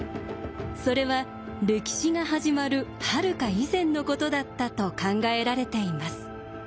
それは歴史が始まるはるか以前のことだったと考えられています。